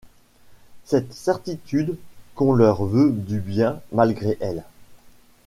Cette certitude qu’on leur veut du bien, malgré elles.